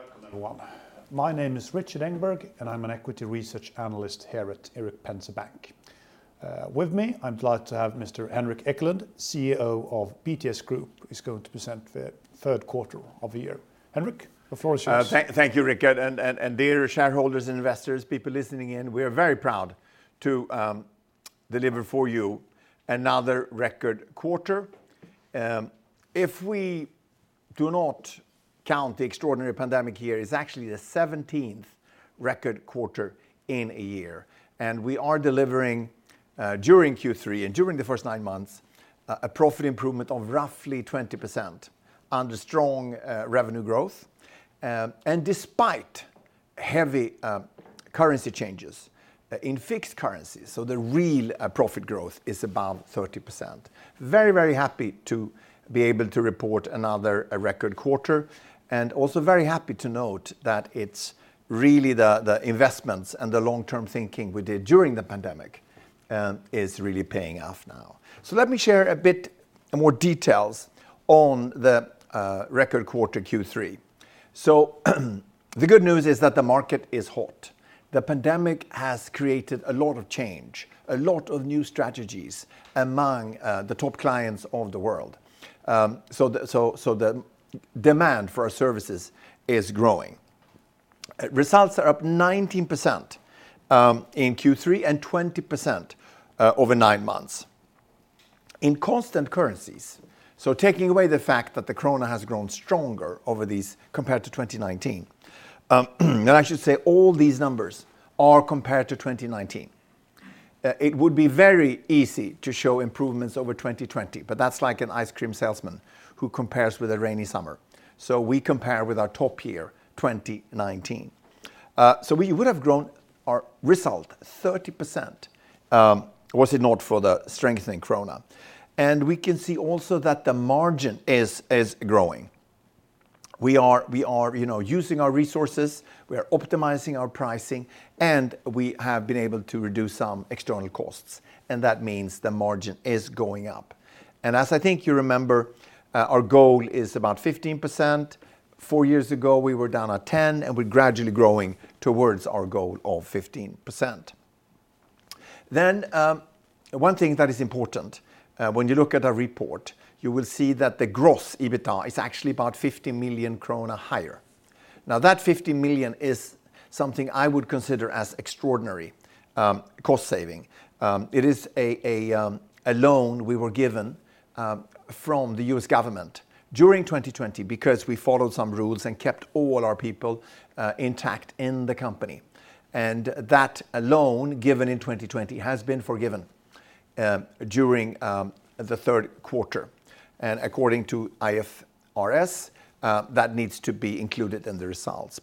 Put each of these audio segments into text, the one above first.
Welcome everyone. My name is Rikard Engberg, and I'm an equity research analyst here at Erik Penser Bank. With me, I'm glad to have Mr. Henrik Ekelund, CEO of BTS Group. He's going to present the third quarter of the year. Henrik, the floor is yours. Thank you, Rikard, and dear shareholders, investors, people listening in. We are very proud to deliver for you another record quarter. If we do not count the extraordinary pandemic year, it's actually the 17th record quarter in a year. We are delivering during Q3 and during the first 9 months a profit improvement of roughly 20% under strong revenue growth and despite heavy currency changes in fixed currencies, so the real profit growth is above 30%. Very happy to be able to report another record quarter, and also very happy to note that it's really the investments and the long-term thinking we did during the pandemic is really paying off now. Let me share a bit more details on the record quarter Q3. The good news is that the market is hot. The pandemic has created a lot of change, a lot of new strategies among the top clients of the world. The demand for our services is growing. Results are up 19% in Q3 and 20% over nine months. In constant currencies, so taking away the fact that the krona has grown stronger over these compared to 2019, and I should say all these numbers are compared to 2019. It would be very easy to show improvements over 2020, but that's like an ice cream salesman who compares with a rainy summer. We compare with our top year, 2019. We would have grown our result 30%, was it not for the strengthening krona. We can see also that the margin is growing. We are, you know, using our resources, we are optimizing our pricing, and we have been able to reduce some external costs, and that means the margin is going up. As I think you remember, our goal is about 15%. Four years ago, we were down at 10%, and we're gradually growing towards our goal of 15%. One thing that is important, when you look at our report, you will see that the gross EBITDA is actually about 50 million krona higher. Now, that 50 million is something I would consider as extraordinary cost saving. It is a loan we were given from the U.S. government during 2020 because we followed some rules and kept all our people intact in the company. That loan given in 2020 has been forgiven during the third quarter. According to IFRS, that needs to be included in the results.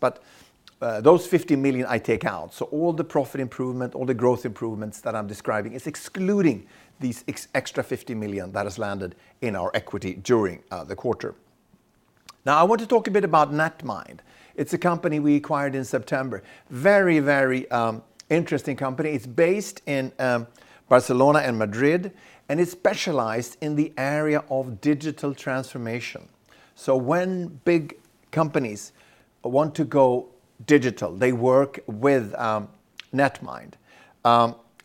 Those $50 million I take out. All the profit improvement, all the growth improvements that I'm describing is excluding these extra $50 million that has landed in our equity during the quarter. Now, I want to talk a bit about Netmind. It's a company we acquired in September. Very, very interesting company. It's based in Barcelona and Madrid, and it's specialized in the area of digital transformation. When big companies want to go digital, they work with Netmind.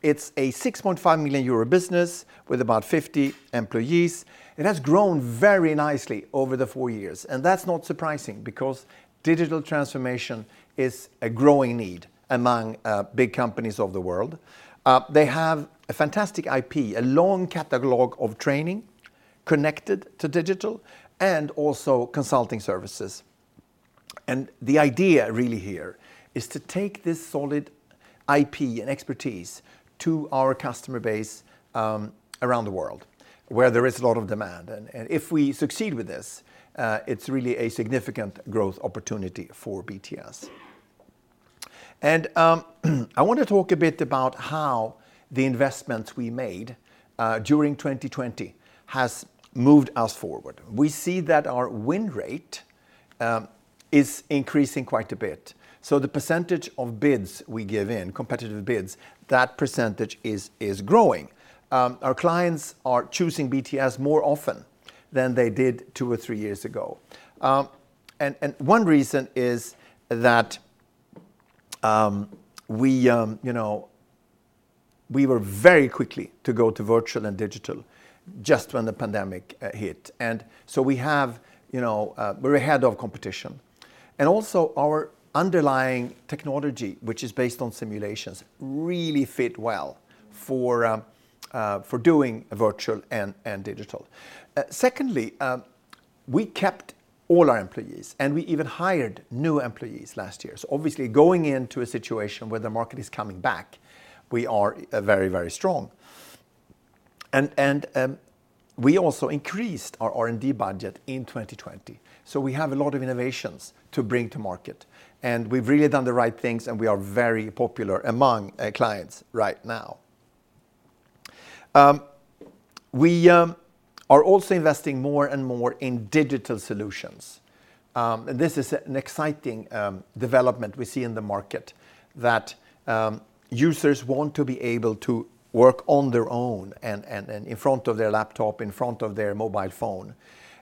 It's a 6.5 million euro business with about 50 employees. It has grown very nicely over the four years, and that's not surprising because digital transformation is a growing need among big companies of the world. They have a fantastic IP, a long catalog of training connected to digital and also consulting services. The idea really here is to take this solid IP and expertise to our customer base around the world where there is a lot of demand. If we succeed with this, it's really a significant growth opportunity for BTS. I want to talk a bit about how the investments we made during 2020 has moved us forward. We see that our win rate is increasing quite a bit. The percentage of bids we give in competitive bids, that percentage is growing. Our clients are choosing BTS more often than they did two or three years ago. One reason is that you know we were very quickly to go to virtual and digital just when the pandemic hit. We have you know we're ahead of competition. Also our underlying technology, which is based on simulations, really fit well for doing virtual and digital. Secondly, we kept all our employees, and we even hired new employees last year. Obviously going into a situation where the market is coming back, we are very strong. We also increased our R&D budget in 2020, so we have a lot of innovations to bring to market. We've really done the right things, and we are very popular among our clients right now. We are also investing more and more in digital solutions. This is an exciting development we see in the market that users want to be able to work on their own and in front of their laptop, in front of their mobile phone.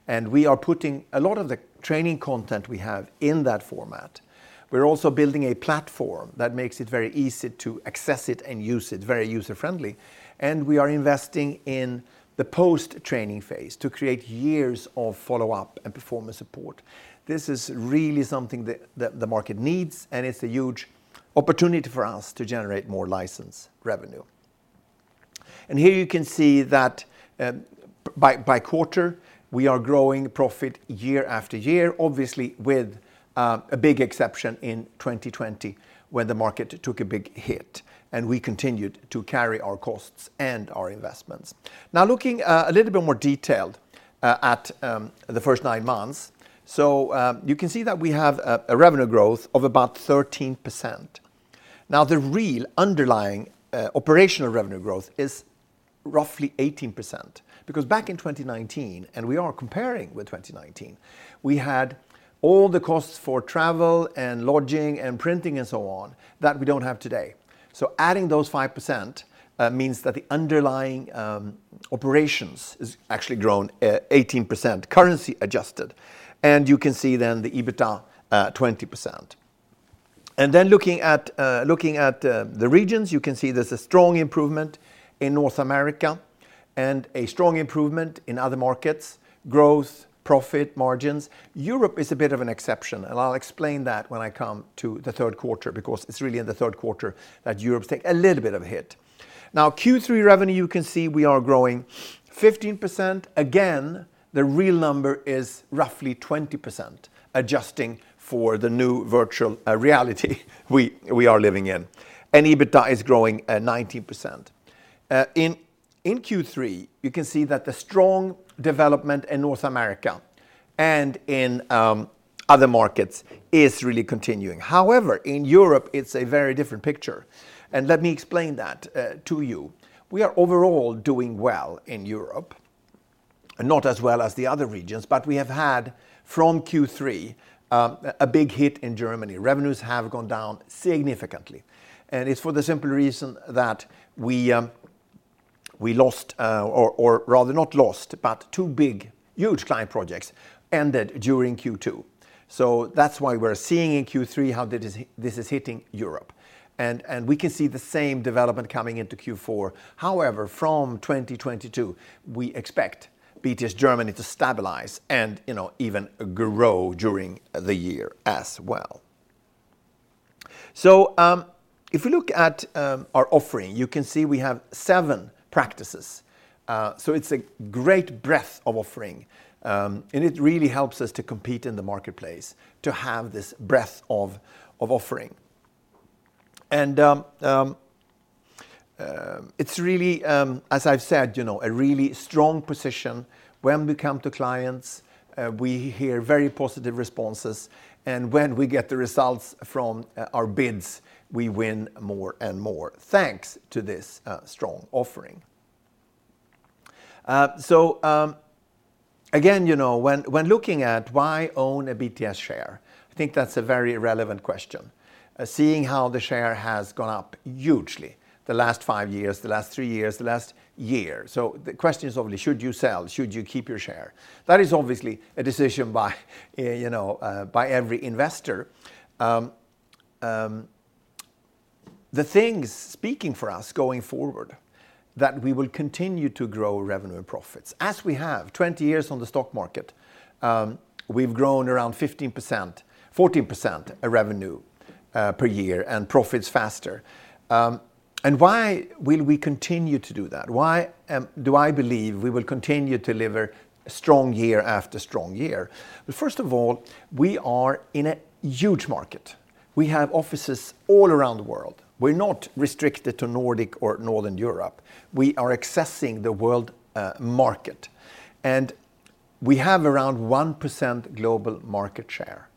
We are putting a lot of the training content we have in that format. We're also building a platform that makes it very easy to access it and use it, very user-friendly. We are investing in the post-training phase to create years of follow-up and performance support. This is really something that the market needs, and it's a huge opportunity for us to generate more license revenue. Here you can see that, by quarter, we are growing profit year after year, obviously with a big exception in 2020 when the market took a big hit and we continued to carry our costs and our investments. Now looking a little bit more detailed at the first nine months, you can see that we have a revenue growth of about 13%. The real underlying operational revenue growth is roughly 18%, because back in 2019, and we are comparing with 2019, we had all the costs for travel and lodging and printing and so on that we don't have today. Adding those 5% means that the underlying operations is actually grown 18% currency adjusted. You can see then the EBITDA 20%. Then looking at the regions, you can see there's a strong improvement in North America and a strong improvement in other markets, growth, profit margins. Europe is a bit of an exception, and I'll explain that when I come to the third quarter because it's really in the third quarter that Europe take a little bit of a hit. Now, Q3 revenue, you can see we are growing 15%. Again, the real number is roughly 20%, adjusting for the new virtual reality we are living in. EBITDA is growing 19%. In Q3, you can see that the strong development in North America and in other markets is really continuing. However, in Europe, it's a very different picture, and let me explain that to you. We are overall doing well in Europe, not as well as the other regions, but we have had from Q3 a big hit in Germany. Revenues have gone down significantly, and it's for the simple reason that we or rather not lost, but two big huge client projects ended during Q2. That's why we're seeing in Q3 how this is hitting Europe and we can see the same development coming into Q4. However, from 2022, we expect BTS Germany to stabilize and, you know, even grow during the year as well. If you look at our offering, you can see we have seven practices. It's a great breadth of offering and it really helps us to compete in the marketplace to have this breadth of offering. It's really, as I've said, you know, a really strong position. When we come to clients, we hear very positive responses, and when we get the results from our bids, we win more and more thanks to this strong offering. Again, you know, when looking at why own a BTS share, I think that's a very relevant question. Seeing how the share has gone up hugely the last five years, the last three years, the last year. The question is obviously should you sell? Should you keep your share? That is obviously a decision by, you know, by every investor. The things speaking for us going forward that we will continue to grow revenue and profits as we have 20 years on the stock market. We've grown around 15%, 14% revenue per year and profits faster. Why will we continue to do that? Why do I believe we will continue to deliver strong year after strong year? First of all, we are in a huge market. We have offices all around the world. We're not restricted to Nordic or Northern Europe. We are accessing the world market, and we have around 1% global market share.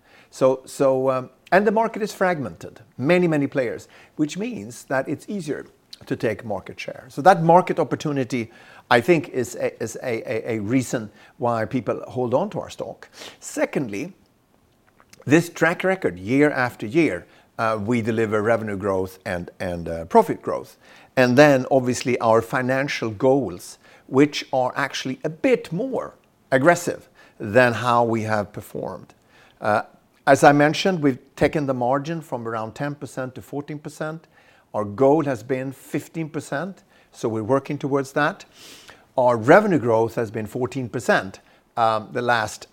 The market is fragmented, many players, which means that it's easier to take market share. That market opportunity, I think is a reason why people hold on to our stock. Secondly, this track record, year after year, we deliver revenue growth and profit growth. Obviously our financial goals, which are actually a bit more aggressive than how we have performed. As I mentioned, we've taken the margin from around 10% to 14%. Our goal has been 15%, so we're working towards that. Our revenue growth has been 14%, the last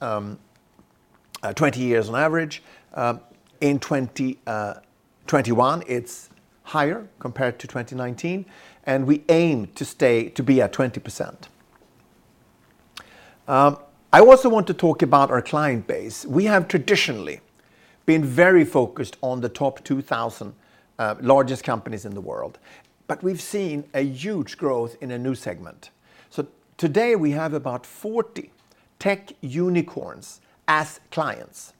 20 years on average. In 2021, it's higher compared to 2019, and we aim to be at 20%. I also want to talk about our client base. We have traditionally been very focused on the top 2,000 largest companies in the world, but we've seen a huge growth in a new segment. Today we have about 40 tech unicorns as clients.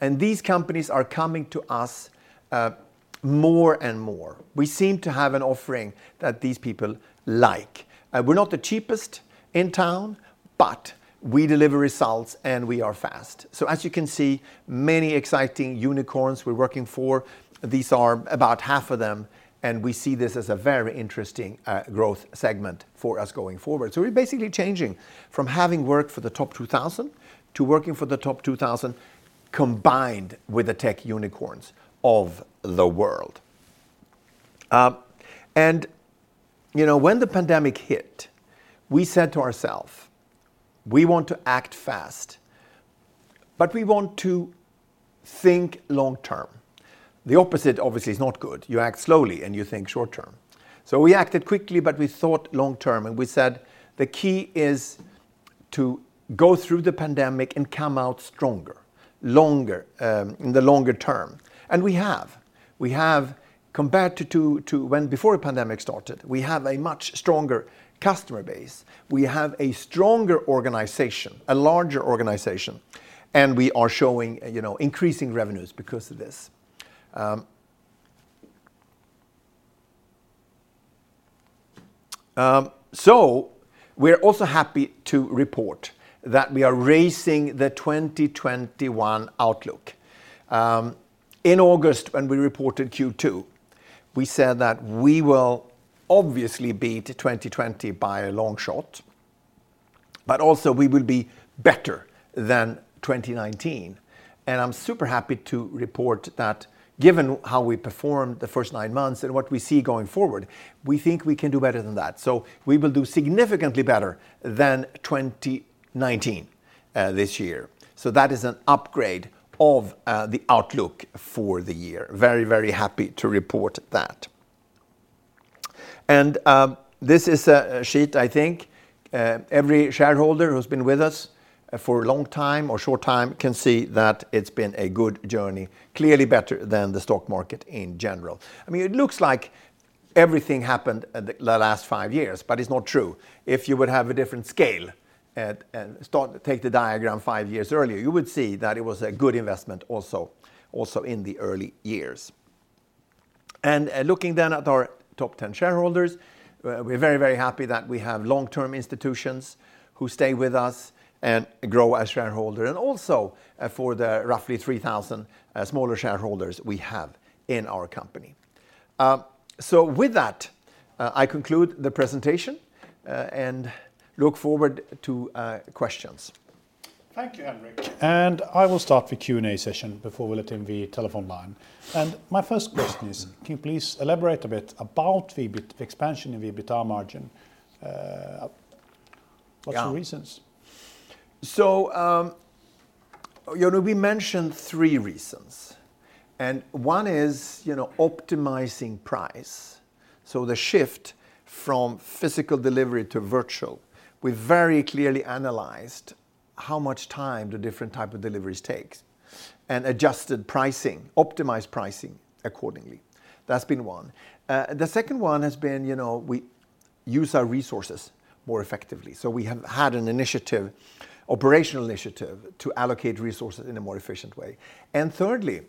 These companies are coming to us more and more. We seem to have an offering that these people like. We're not the cheapest in town, but we deliver results and we are fast. As you can see, many exciting unicorns we're working for. These are about half of them and we see this as a very interesting growth segment for us going forward. We're basically changing from having worked for the top 2,000 to working for the top 2,000 combined with the tech unicorns of the world. You know, when the pandemic hit, we said to ourselves, "We want to act fast, but we want to think long term." The opposite obviously is not good. You act slowly and you think short term. We acted quickly, but we thought long term, and we said, "The key is to go through the pandemic and come out stronger, longer, in the longer term." We have. We have compared to two when before the pandemic started. We have a much stronger customer base, we have a stronger organization, a larger organization, and we are showing, you know, increasing revenues because of this. We're also happy to report that we are raising the 2021 outlook. In August when we reported Q2, we said that we will obviously beat 2020 by a long shot, but also we will be better than 2019, and I'm super happy to report that given how we performed the first nine months and what we see going forward, we think we can do better than that. We will do significantly better than 2019 this year. That is an upgrade of the outlook for the year. Very, very happy to report that. This is a sheet I think every shareholder who's been with us for a long time or short time can see that it's been a good journey. Clearly better than the stock market in general. I mean, it looks like everything happened at the last five years, but it's not true. If you would have a different scale and start, take the diagram five years earlier, you would see that it was a good investment also in the early years. Looking then at our top 10 shareholders, we're very, very happy that we have long-term institutions who stay with us and grow as shareholder, and also, for the roughly 3,000 smaller shareholders we have in our company. With that, I conclude the presentation, and look forward to questions. Thank you, Henrik. I will start the Q&A session before we let in the telephone line. My first question is, can you please elaborate a bit about the expansion in the EBITDA margin? Yeah What's the reasons? We mentioned three reasons, and one is, you know, optimizing price, so the shift from physical delivery to virtual. We very clearly analyzed how much time the different type of deliveries takes and adjusted pricing, optimized pricing accordingly. That's been one. The second one has been, you know, we use our resources more effectively, so we have had an initiative, operational initiative to allocate resources in a more efficient way. Thirdly,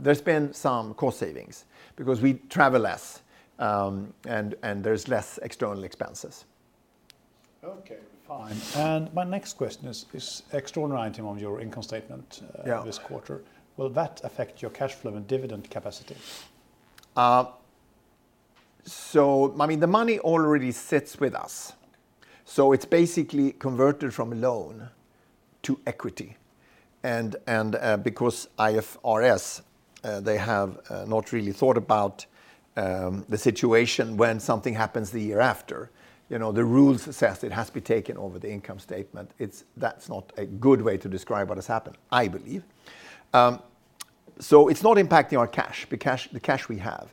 there's been some cost savings because we travel less, and there's less external expenses. Okay, fine. My next question is extraordinary item on your income statement? Yeah This quarter, will that affect your cash flow and dividend capacity? I mean, the money already sits with us, it's basically converted from loan to equity and because IFRS they have not really thought about the situation when something happens the year after. You know, the rules says it has to be taken over the income statement. That's not a good way to describe what has happened, I believe. It's not impacting our cash, the cash we have.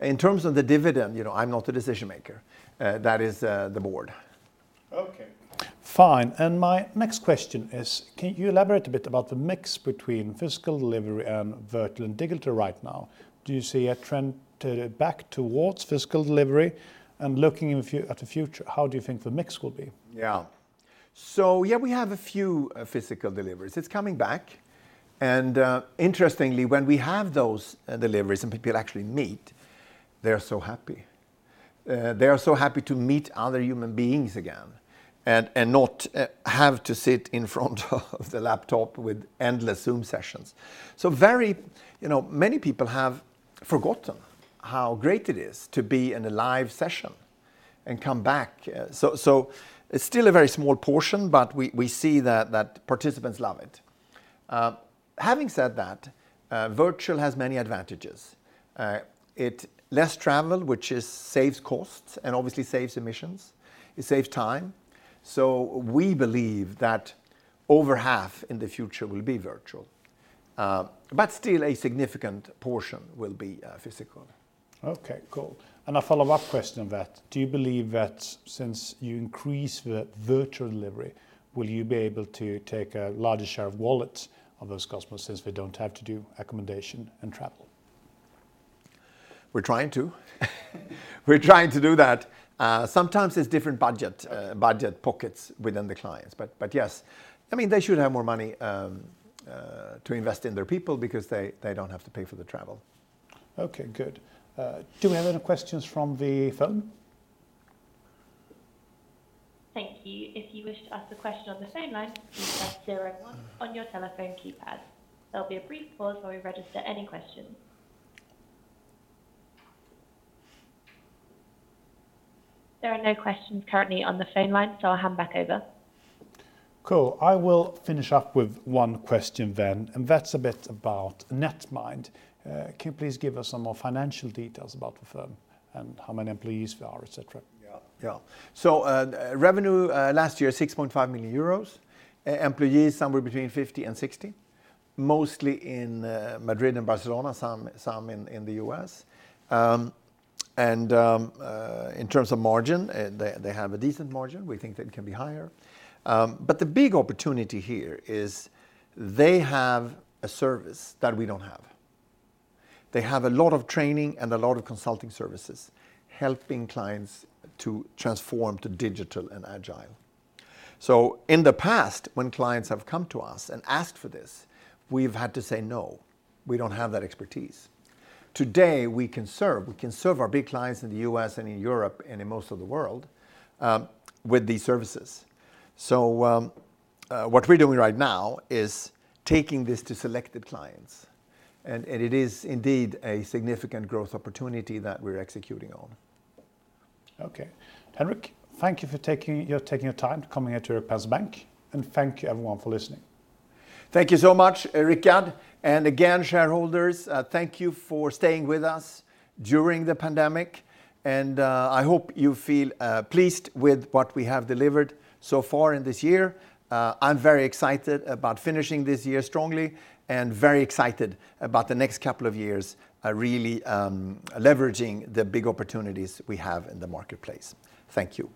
In terms of the dividend, you know, I'm not a decision maker. That is the board. Okay, fine. My next question is, can you elaborate a bit about the mix between physical delivery and virtual and digital right now? Do you see a trend to, back towards physical delivery? Looking at the future, how do you think the mix will be? Yeah, we have a few physical deliveries. It's coming back and, interestingly, when we have those deliveries and people actually meet, they're so happy. They are so happy to meet other human beings again and not have to sit in front of the laptop with endless Zoom sessions. Very, you know, many people have forgotten how great it is to be in a live session and come back. It's still a very small portion, but we see that participants love it. Having said that, virtual has many advantages. Less travel, which saves costs and obviously saves emissions. It saves time. We believe that over half in the future will be virtual. But still a significant portion will be physical. Okay, cool. A follow-up question on that. Do you believe that since you increase the virtual delivery, will you be able to take a larger share of wallet of those customers since they don't have to do accommodation and travel? We're trying to do that. Sometimes there's different budget pockets within the clients. But yes. I mean, they should have more money to invest in their people because they don't have to pay for the travel. Okay. Good. Do we have any questions from the phone? Thank you. If you wish to ask a question on the phone line, press zero one on your telephone keypad. There'll be a brief pause while we register any questions. There are no questions currently on the phone line, so I'll hand back over. Cool. I will finish up with one question then, and that's a bit about Netmind. Can you please give us some more financial details about the firm and how many employees there are, et cetera? Yeah. Yeah. Revenue last year 6.5 million euros. Employees, somewhere between 50 and 60, mostly in Madrid and Barcelona, some in the U.S. In terms of margin, they have a decent margin. We think that it can be higher. The big opportunity here is they have a service that we don't have. They have a lot of training and a lot of consulting services helping clients to transform to digital and agile. In the past, when clients have come to us and asked for this, we've had to say, "No, we don't have that expertise." Today, we can serve our big clients in the U.S. and in Europe and in most of the world with these services. What we're doing right now is taking this to selected clients and it is indeed a significant growth opportunity that we're executing on. Okay. Henrik, thank you for taking the time to come here to Erik Penser Bank, and thank you everyone for listening. Thank you so much, Rikard. Again, shareholders, thank you for staying with us during the pandemic, and I hope you feel pleased with what we have delivered so far in this year. I'm very excited about finishing this year strongly and very excited about the next couple of years, really leveraging the big opportunities we have in the marketplace. Thank you.